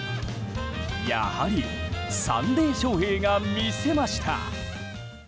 やはりサンデーショーヘイが見せました！